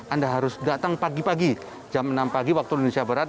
anda harus datang pagi pagi jam enam pagi waktu indonesia barat